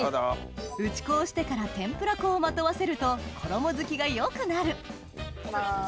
打ち粉をしてから天ぷら粉をまとわせると衣付きが良くなるいきます。